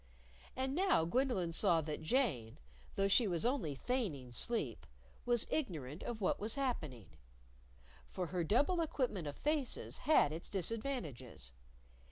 And now Gwendolyn saw that Jane, though she was only feigning sleep, was ignorant of what was happening. For her double equipment of faces had its disadvantages.